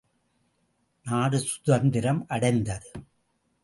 நாடு சுதந்திரம் அடைந்தது.